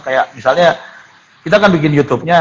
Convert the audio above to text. kayak misalnya kita kan bikin youtubenya